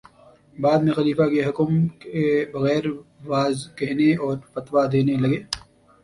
بعد میں خلیفہ کے حکم کے بغیر وعظ کہنے اور فتویٰ دینے لگے